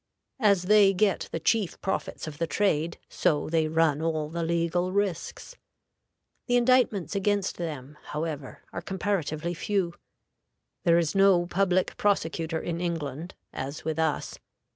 As they get the chief profits of the trade, so they run all the legal risks. The indictments against them, however, are comparatively few. There is no public prosecutor in England, as with us.